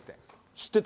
知ってた？